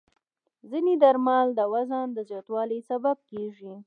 ځینې درمل د وزن د زیاتوالي سبب کېږي.